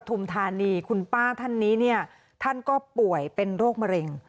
ธานีคุณป้าท่านนี้เนี่ยท่านก็ป่วยเป็นโรคมะเร็ง